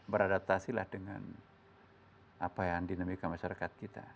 beradaptasilah dengan apa yang dinamika masyarakat kita